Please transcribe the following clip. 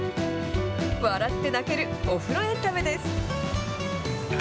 笑って泣けるお風呂エンタメです。